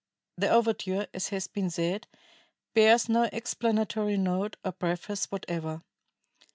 The overture, as has been said, bears no explanatory note or preface whatever.